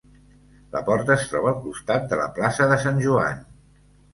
La porta es troba al costat de la plaça de Sant Joan.